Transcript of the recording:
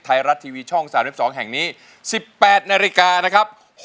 ไทยรัฐทีวีช่อง๓๒แห่งนี้๑๘นาฬิกานะครับ